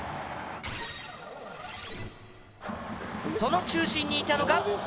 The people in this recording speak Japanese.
その中心にいたのが。